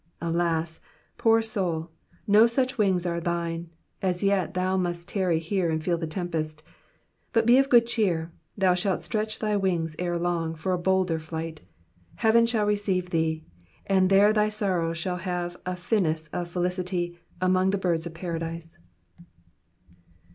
Alas I poor soul, no such wings are thine, as yet thou must tarry here and feel the tempest ; but he of good cheer, thou shalt stretch thy wings ere long for a bolder flight, heaven shall receive thee, and there thy sorrows shall have a finis of felicity among the birds of paradise.